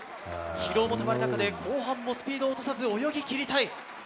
疲労もたまる中で後半もスピードを落とさず泳ぎ切りたい。